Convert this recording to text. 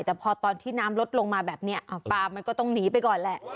แต่พอตอนที่น้ำลดลงมาแบบนี้ปลามันก็ต้องหนีไปก่อนแหละ